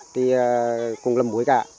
thì cũng làm muối cả